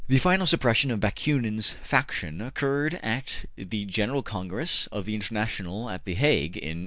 The final suppression of Bakunin's faction occurred at the General Congress of the International at the Hague in 1872.